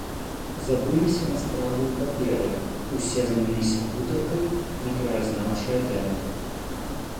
Забыліся на справы і паперы, усе заняліся гутаркай на краязнаўчыя тэмы.